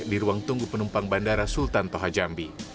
di ruang tunggu penumpang bandara sultan toha jambi